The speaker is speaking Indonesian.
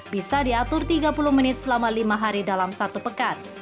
bisa diatur tiga puluh menit selama lima hari dalam satu pekan